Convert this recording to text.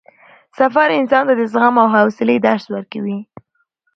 سفر انسان ته د زغم او حوصلې درس ورکوي